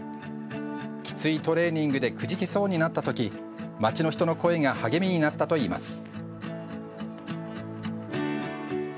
きついトレーニングでくじけそうになったとき町の人の声が励みになったと言います。